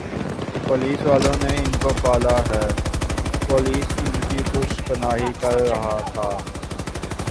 police والوں نے ان کو پالا ھے پولیس ان کی پشت پناہی کررہا تھا